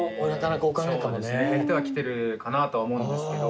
減ってはきてるかなとは思うんですけど。